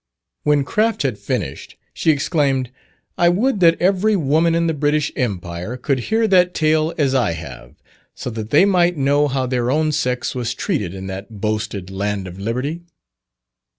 When Craft had finished, she exclaimed, "I would that every woman in the British Empire, could hear that tale as I have, so that they might know how their own sex was treated in that boasted land of liberty."